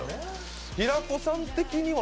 平子さん的には？